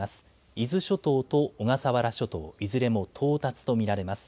伊豆諸島と小笠原諸島、いずれも到達と見られます。